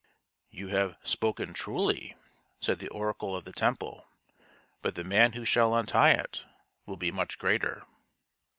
" You have spoken truly," said the oracle of the temple ;" but the man who shall untie it will be much greater."